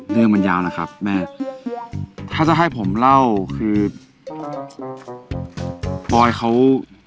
เรื่องมันยาวนะครับแม่ถ้าจะให้ผมเล่าคือปอยเขา